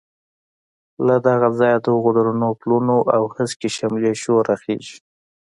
له دغه ځایه د هغو درنو پلونو او هسکې شملې شور راخېژي.